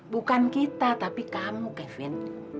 bukan kita tapi kamu kevin